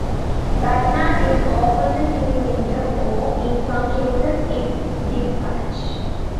Batman is often the team leader or, in some cases, its dispatch.